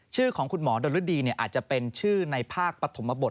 ชื่อของคุณหมอดนฤดีอาจจะเป็นชื่อในภาคปฐมบท